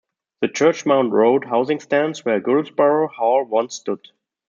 The Church Mount road housing stands where Guilsborough Hall once stood.